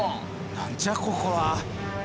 何じゃここは！